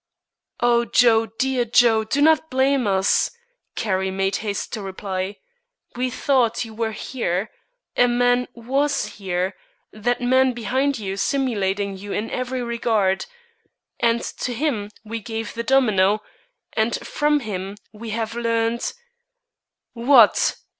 "O Joe, dear Joe, do not blame us!" Carrie made haste to reply. "We thought you were here. A man was here, that man behind you, simulating you in every regard, and to him we gave the domino, and from him we have learned " "What?"